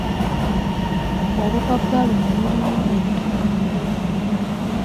Olupapula luno lulimu ebitundu bibiri